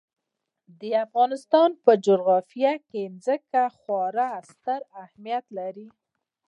د افغانستان په جغرافیه کې ځمکه خورا ستر اهمیت لري.